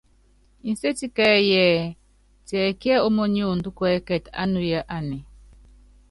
Nsétie kɛ́ɛ́yí ɛɛ: Tiɛkíɛ ómóniondó kuɛ́kɛtɛ ánuya anɛ ?